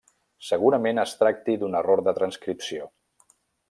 Segurament es tracti d'un error de transcripció.